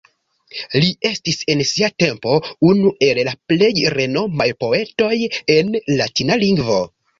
Li estis en sia tempo unu el la plej renomaj poetoj en latina lingvo.